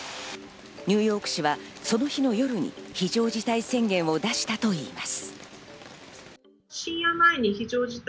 ニューヨーク市はその日の夜に非常事態宣言を出したといいます。